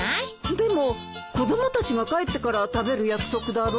でも子供たちが帰ってから食べる約束だろ？